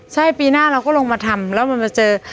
ใช่ปีหน้าเราก็ลงมาทำแล้วมันมาเจอ